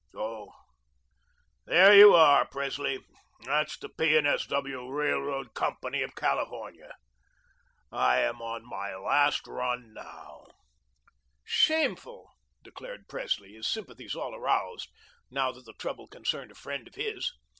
So there you are, Presley. That's the P. & S. W. Railroad Company of California. I am on my last run now." "Shameful," declared Presley, his sympathies all aroused, now that the trouble concerned a friend of his.